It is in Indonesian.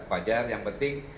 wajar yang penting